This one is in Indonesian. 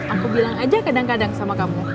aku bilang aja kadang kadang sama kamu